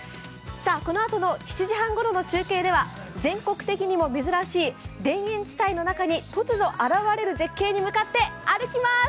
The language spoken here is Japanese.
このあとの７時半ごろの中継では全国的にも珍しい田園地帯の中に突如現れる絶景に向かって歩きます。